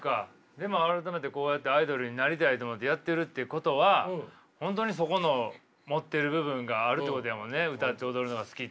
でも改めてこうやってアイドルになりたいと思ってやってるっていうことは本当にそこの持ってる部分があるってことやもんね。